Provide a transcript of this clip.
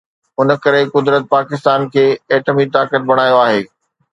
ان ڪري قدرت پاڪستان کي ايٽمي طاقت بڻايو آهي.